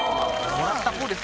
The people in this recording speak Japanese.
もらった方です。